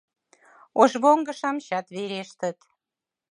Ошвоҥго-шамычат верештыт.